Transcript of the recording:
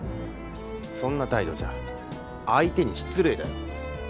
そんな態度じゃ相手に失礼だよ。